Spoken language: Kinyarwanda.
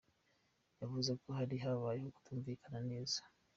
Yavuze ko hari habayeho kutumvikana neza.